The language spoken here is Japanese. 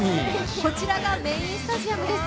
こちらがメーンスタジアムです。